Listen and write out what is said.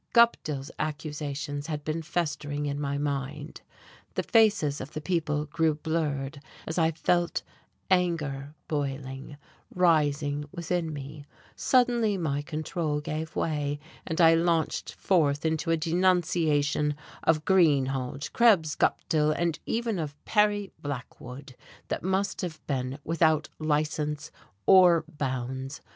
Guptill's accusations had been festering in my mind. The faces of the people grew blurred as I felt anger boiling, rising within me; suddenly my control gave way, and I launched forth into a denunciation of Greenhalge, Krebs, Guptill and even of Perry Blackwood that must have been without license or bounds.